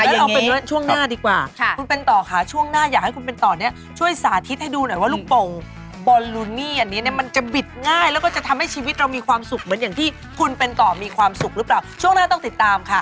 แล้วเราเป็นช่วงหน้าดีกว่าคุณเป็นต่อค่ะช่วงหน้าอยากให้คุณเป็นต่อเนี่ยช่วยสาธิตให้ดูหน่อยว่าลูกโป่งบอลลูนี่อันนี้เนี่ยมันจะบิดง่ายแล้วก็จะทำให้ชีวิตเรามีความสุขเหมือนอย่างที่คุณเป็นต่อมีความสุขหรือเปล่าช่วงหน้าต้องติดตามค่ะ